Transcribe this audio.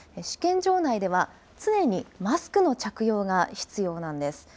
試験場内では常にマスクの着用が必要なんです。